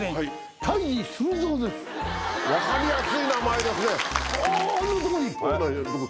分かりやすい名前ですね。